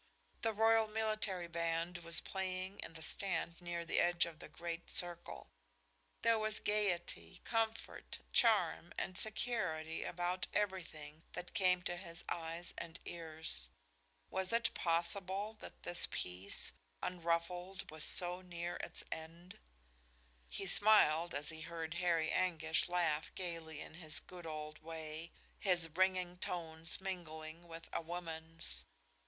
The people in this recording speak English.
The royal military band was playing in the stand near the edge of the great circle. There was gaiety, comfort, charm and security about everything that came to his eyes and ears. Was it possible that this peace, unruffled, was so near its end? He smiled as he heard Harry Anguish laugh gaily in his good old way, his ringing tones mingling with a woman's.